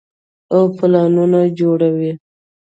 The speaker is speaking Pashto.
او پلانونه جوړوي -